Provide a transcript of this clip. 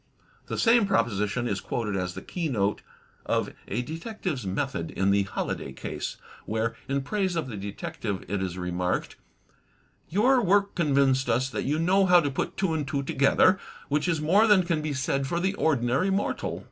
The same proposition is quoted as the keynote of a detective^s method in "The Holladay Case" where, in praise of the detective, it is remarked, "Your work convinced us that you know how to put two and two together, which is more than can be said for the ordinary mortal."